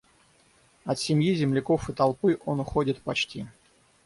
От семьи, земляков и толпы он уходит почти.